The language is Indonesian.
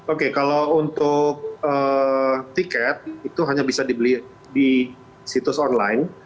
oke kalau untuk tiket itu hanya bisa dibeli di situs online